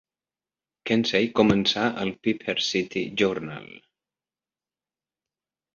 Kensey començà el "Piper City Journal".